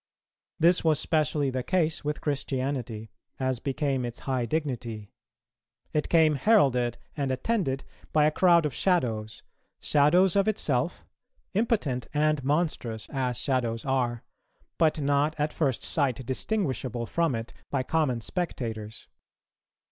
This was specially the case with Christianity, as became its high dignity; it came heralded and attended by a crowd of shadows, shadows of itself, impotent and monstrous as shadows are, but not at first sight distinguishable from it by common spectators.